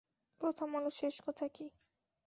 প্রথম আলো শেষ কথা কী?